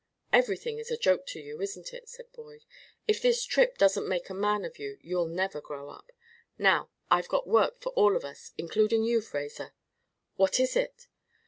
"Everything is a joke to you, isn't it?" said Boyd. "If this trip doesn't make a man of you, you'll never grow up. Now I've got work for all of us, including you, Fraser." "What is it?"